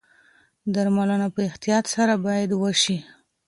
درملنه په احتیاط سره باید وشي.